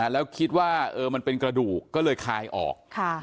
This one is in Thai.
แล้วคิดว่ามันเป็นกระดูกก็เลยคายออก